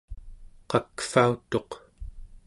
qakvautuq